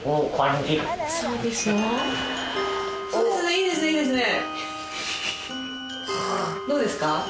いいですねいいですね。